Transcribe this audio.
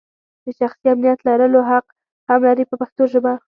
د شخصي امنیت لرلو حق هم لري په پښتو ژبه.